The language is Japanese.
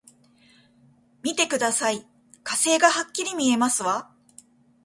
見てください、火星がはっきり見えますわ！